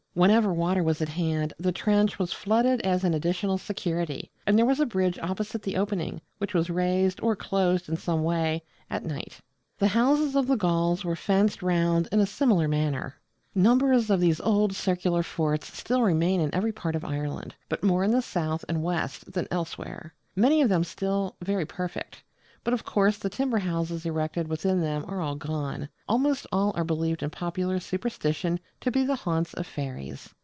Whenever water was at hand the trench was flooded as an additional security: and there was a bridge opposite the opening, which was raised, or closed in some way, at night. The houses of the Gauls were fenced round in a similar manner. Numbers of these old circular forts still remain in every part of Ireland, but more in the south and west than elsewhere; many of them still very perfect: but of course the timber houses erected within them are all gone. Almost all are believed in popular superstition to be the haunts of fairies.